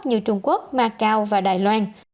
như trung quốc macau và đài loan